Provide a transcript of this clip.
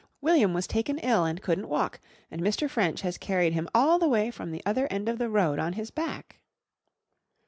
William was taken ill and couldn't walk, and Mr. French has carried him all the way from the other end of the road, on his back."